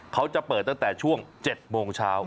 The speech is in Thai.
เขาจะเปิดตั้งแต่ช่วง๗โมงเช้า